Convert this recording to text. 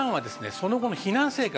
その後の避難生活。